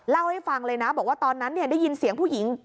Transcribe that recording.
เล่าให้ฟังเลยนะบอกว่าตอนนั้นได้ยินเสียงผู้หญิง